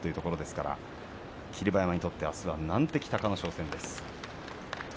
霧馬山にとってはあすは難敵、隆の勝との対戦です。